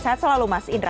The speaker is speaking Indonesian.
sehat selalu mas indra